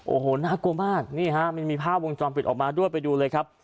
โอ้โหน่ากลัวมากนี่ฮะมันมีภาพวงจรปิดออกมาด้วยไปดูเลยครับ